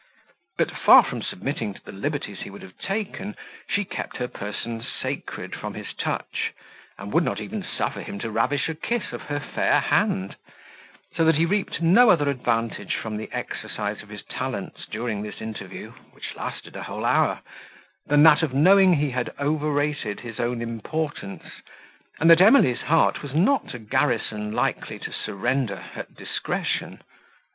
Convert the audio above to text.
But, far from submitting to the liberties he would have taken, she kept her person sacred from his touch, and would not even suffer him to ravish a kiss of her fair hand; so that he reaped no other advantage from the exercise of his talents, during this interview, which lasted a whole hour, than that of knowing he had overrated his own importance, and that Emily's heart was not a garrison likely to surrender at discretion.